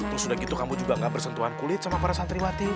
terus sudah gitu kamu juga gak bersentuhan kulit sama para santriwati